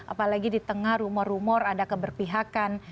apalagi di tengah rumor rumor ada keberpihakan